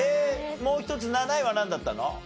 もう１つ７位はなんだったの？